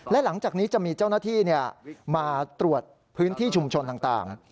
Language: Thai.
และหลังจากนี้จะมีเจ้าหน้าที่มาตรวจพื้นที่ชุมชนต่าง